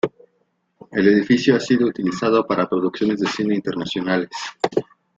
El edificio ha sido utilizado para producciones de cine internacionales.